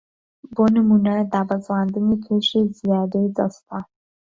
بۆ نموونە دابەزاندنی کێشی زیادەی جەستە